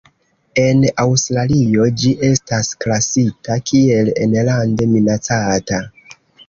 En Aŭstralio ĝi estas klasita kiel enlande minacata.